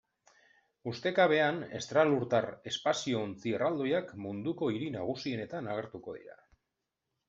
Ustekabean estralurtar espazio-ontzi erraldoiak munduko hiri nagusienetan agertuko dira.